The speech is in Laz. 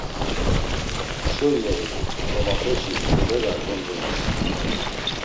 Hişo iyert̆u ngolapeşi mp̌ulera gondunasi.